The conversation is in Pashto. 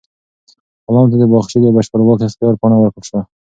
غلام ته د باغچې د بشپړ واک اختیار پاڼه ورکړل شوه.